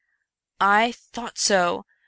" I thought so !